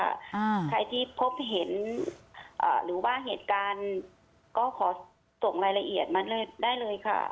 อ่าใครที่พบเห็นอ่าหรือว่าเหตุการณ์ก็ขอส่งรายละเอียดมาได้เลยค่ะ